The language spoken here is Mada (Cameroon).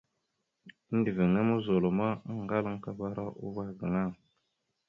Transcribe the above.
Endəveŋá muzol ma, aŋgalaŋkabara uvah gaŋa.